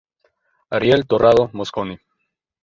Ariel Torrado Mosconi.